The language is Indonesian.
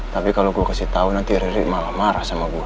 tapi kalo gua kasih tau nanti riri malah marah sama gua